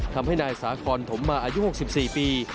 ทำให้นายสาคอนถมมาอายุ๖๔ปี